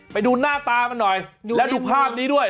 ไปดูหน้าตามันหน่อยแล้วดูภาพนี้ด้วย